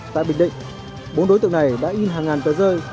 tại bình định bốn đối tượng này đã in hàng ngàn tờ rơi